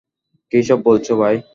কীসব বলছো, ভাই?